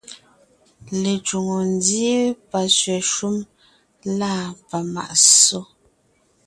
Lecwòŋo ndíe, pasẅɛ̀ shúm lâ pamàʼ ssó;